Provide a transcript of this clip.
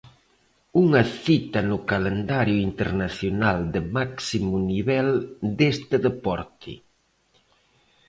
Unha cita no calendario internacional de máximo nivel deste deporte.